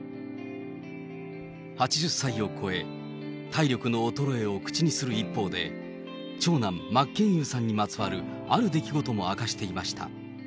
８０歳を超え、体力の衰えを口にする一方で、長男、真剣佑さんにまつわる、ある出来事も明かしていました。